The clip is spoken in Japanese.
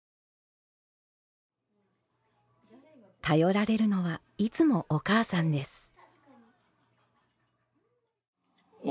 頼られるのはいつもお母さんです。